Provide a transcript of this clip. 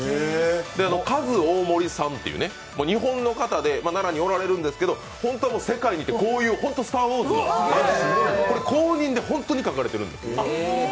カズ・オオモリさんという、日本の方で奈良におられるんですけど本当は、こういう「スター・ウォーズ」のこれ公認で本当に描かれているんです。